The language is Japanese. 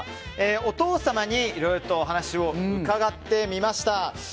お父様にいろいろとお話を伺ってみました。